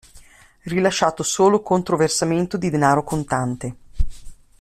Rilasciato solo contro versamento di denaro contante.